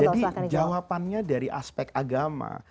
jadi jawabannya dari aspek agama